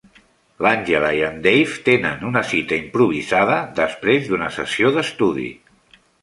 L'Angela i en Dave tenen una cita improvisada després d'una sessió d'estudi.